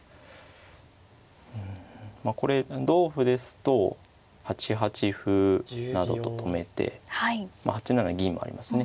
まあこれ同歩ですと８八歩などと止めてまあ８七銀もありますね。